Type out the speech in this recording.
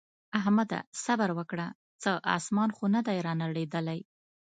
احمده! صبره وکړه څه اسمان خو نه دی رانړېدلی.